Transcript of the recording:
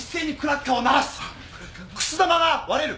くす玉が割れる。